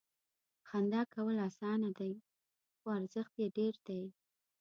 • خندا کول اسانه دي، خو ارزښت یې ډېر دی.